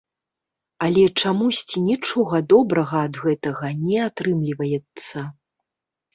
Але чамусьці нічога добрага ад гэтага не атрымліваецца.